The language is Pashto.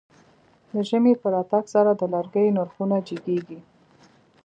د ژمی په راتګ سره د لرګيو نرخونه جګېږي.